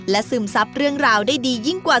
ซึมซับเรื่องราวได้ดียิ่งกว่า